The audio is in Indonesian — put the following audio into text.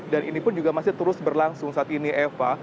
dan ini pun juga masih terus berlangsung saat ini eva